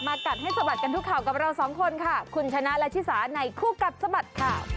กัดให้สะบัดกันทุกข่าวกับเราสองคนค่ะคุณชนะและชิสาในคู่กัดสะบัดข่าว